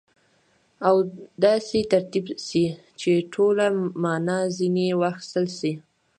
او داسي ترتیب سي، چي ټوله مانا ځني واخستل سي.